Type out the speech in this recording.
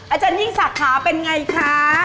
อาจารย์นี่สาขาเป็นไงคะ